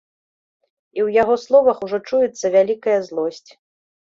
І ў яго словах ужо чуецца вялікая злосць.